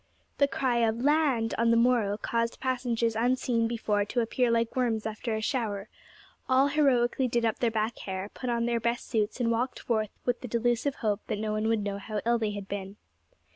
The cry of 'Land!' on the morrow caused passengers unseen before to appear like worms after a shower; all heroically did up their back hair, put on their best suits, and walked forth with the delusive hope that no one would know how ill they had been.